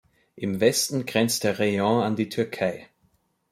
Im Westen grenzt der Rayon an die Türkei.